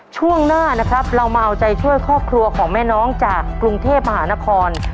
ช่วงหน้านะครับเรามาเอาใจช่วยครอบครัวของแม่น้องจากกรุงเทพมหานคร